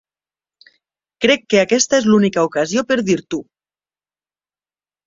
Crec que aquesta és l'única ocasió per dir-t'ho.